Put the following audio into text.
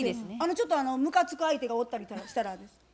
ちょっとむかつく相手がおったりとかしたら。